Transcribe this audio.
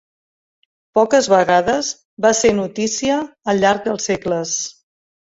Poques vegades va ser notícia al llarg dels segles.